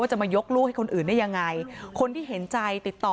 จะมายกลูกให้คนอื่นได้ยังไงคนที่เห็นใจติดต่อ